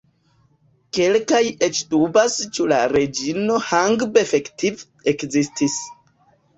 Kelkaj eĉ dubas ĉu la Reĝino Hangbe efektive ekzistis.